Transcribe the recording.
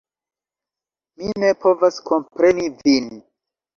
Mi ne povas kompreni vin.